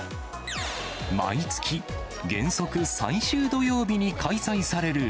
毎月原則最終土曜日に開催される